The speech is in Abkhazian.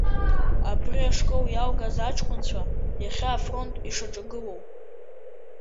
Абри ашкол иалгаз аҷкәынцәа, иахьа афронт ишаҿагылоу.